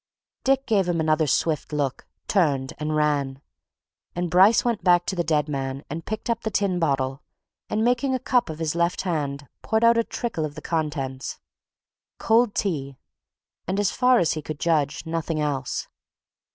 Dick gave him another swift look, turned, and ran. And Bryce went back to the dead man and picked up the tin bottle, and making a cup of his left hand poured out a trickle of the contents. Cold tea! and, as far as he could judge, nothing else.